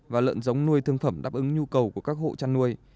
và lợn giống nuôi thương phẩm đáp ứng nhu cầu của các hộ chăn nuôi